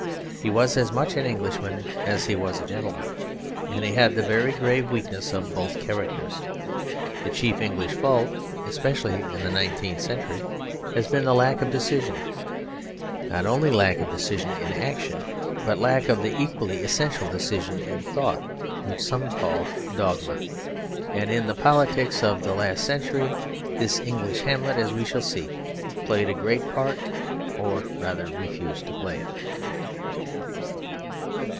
He was as much an Englishman as he was a gentleman, and he had the very grave weaknesses of both characters. The chief English fault, especially in the nineteenth century, has been lack of decision, not only lack of decision in action, but lack of the equally essential decision in thought which some call dogma. And in the politics of the last century, this English Hamlet, as we shall see, played a great part, or rather refused to play it.